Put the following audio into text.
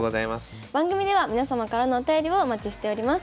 番組では皆様からのお便りをお待ちしております。